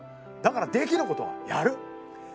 だからできることはやる。